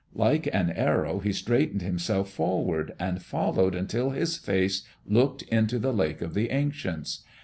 Like an arrow he straightened himself forward, and followed until his face looked into the Lake of the Ancients.